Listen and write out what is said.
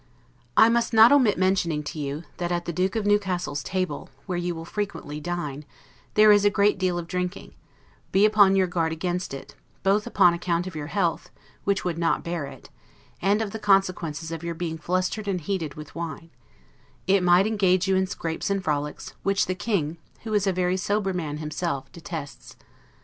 I must not omit mentioning to you, that at the Duke of Newcastle's table, where you will frequently dine, there is a great deal of drinking; be upon your guard against it, both upon account of your health, which would not bear it, and of the consequences of your being flustered and heated with wine: it might engage you in scrapes and frolics, which the King (who is a very sober man himself) detests.